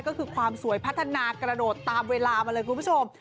ก็คือความสวยพัฒนากระโดดตามเวลามาเลยคุณผู้ชม